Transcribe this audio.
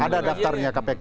ada daftarnya kpk